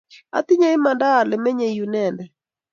Atinye imanda ale menyei yu inendet